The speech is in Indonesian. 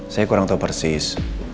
saya kurang tau persis